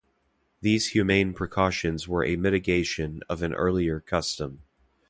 These humane precautions were a mitigation of an earlier custom.